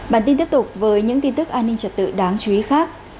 bản tin tiếp tục với những tin tức an ninh trật tự đáng chú ý khác